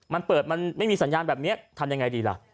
มันเปิดมันไม่มีสัญญาณแบบนี้ทำยังไงดีล่ะ